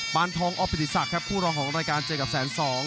นทองอปิติศักดิ์ครับคู่รองของรายการเจอกับแสนสอง